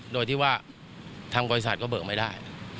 โดยที่ว่าทำกว่าอิสัตว์ก็เบิกไม่ได้